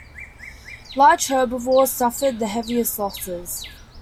Large herbivores suffered the heaviest losses.